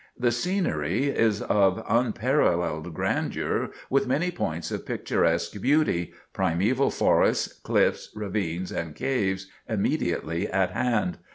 The scenery is of unparalleled grandeur with many points of picturesque beauty, primeval forests, cliffs, ravines and caves, immediately at hand.